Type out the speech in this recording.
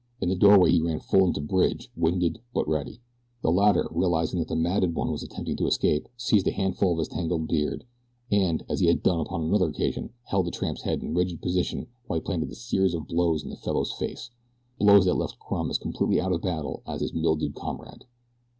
In the doorway he ran full into Bridge, winded, but ready. The latter realizing that the matted one was attempting to escape, seized a handful of his tangled beard, and, as he had done upon another occasion, held the tramp's head in rigid position while he planted a series of blows in the fellow's face blows that left Crumb as completely out of battle as was his mildewed comrade.